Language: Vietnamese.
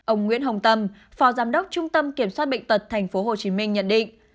ông nguyễn hồng tâm phó giám đốc trung tâm kiểm soát bệnh tật tp hcm nhận định